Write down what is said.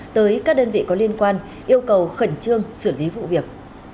tới các đơn vị có liên quan yêu cầu khẩn trương xử lý vụ việc